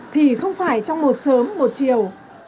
thì không phải trong một sớm một chiều